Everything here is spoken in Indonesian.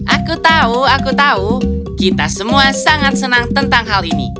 aku tahu aku tahu kita semua sangat senang tentang hal ini